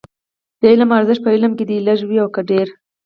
د علم ارزښت په عمل کې دی، لږ وي او که ډېر.